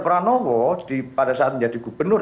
pranowo pada saat menjadi gubernur